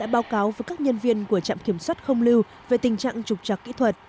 an một trăm bốn mươi tám đã báo cáo với các nhân viên của trạm kiểm soát không lưu về tình trạng trục trạc kỹ thuật